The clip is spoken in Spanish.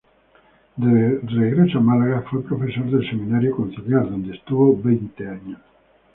De regreso en Málaga, fue profesor del Seminario Conciliar, donde estuvo veinte años.